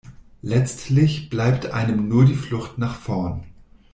Letztlich bleibt einem nur die Flucht nach vorn.